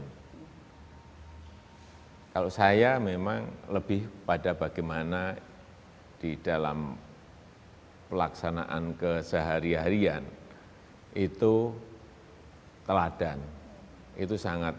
hai kalau saya memang lebih pada bagaimana di dalam pelaksanaan kesehari harian itu teladan itu sangat